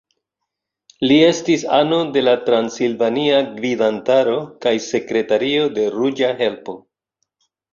Li estis ano de la transilvania gvidantaro kaj sekretario de Ruĝa Helpo.